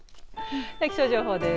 気象情報です。